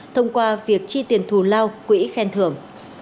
thông qua việc chi tiền thù lao quỹ khen thưởng